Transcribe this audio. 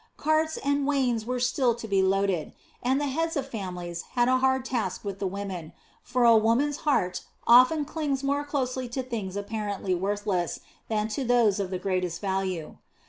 Carts and wains were still to be loaded, and the heads of families had a hard task with the women; for a woman's heart often clings more closely to things apparently worthless than to those of the greatest value.